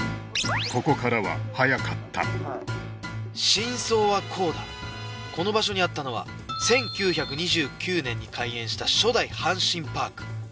ここからは早かった真相はこうだこの場所にあったのは１９２９年に開園した初代阪神パーク